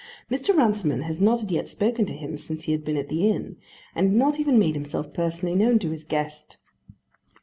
Mr. Runciman had not as yet spoken to him since he had been at the inn, and had not even made himself personally known to his guest.